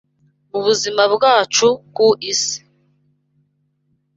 Mu buzima bwacu ku isi